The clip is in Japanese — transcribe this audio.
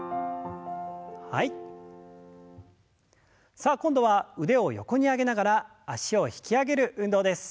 さあ今度は腕を横に上げながら脚を引き上げる運動です。